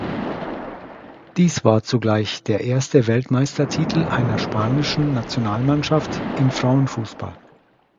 Dies war zugleich der erste Weltmeistertitel einer spanischen Nationalmannschaft im Frauenfußball.